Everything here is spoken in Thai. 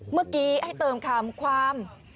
เมื่อกี้ให้เติมคำความ